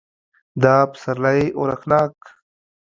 دا پسرلی اورښتناک